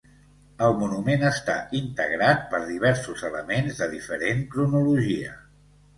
El monument està integrat per diversos elements de diferent cronologia.